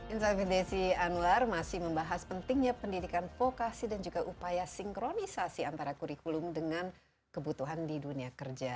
insight with desi anwar masih membahas pentingnya pendidikan vokasi dan juga upaya sinkronisasi antara kurikulum dengan kebutuhan di dunia kerja